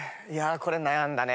これ悩んだね。